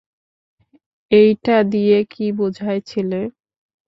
এইটা দিয়ে কি বুঝায়, ছেলে?